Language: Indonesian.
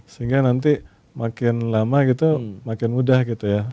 sehingga nanti makin lama gitu makin mudah gitu ya